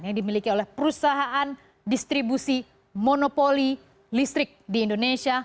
yang dimiliki oleh perusahaan distribusi monopoli listrik di indonesia